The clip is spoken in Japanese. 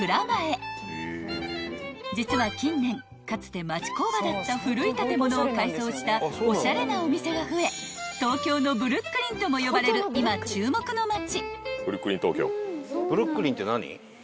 ［実は近年かつて町工場だった古い建物を改装したおしゃれなお店が増え東京のブルックリンとも呼ばれる今注目の街］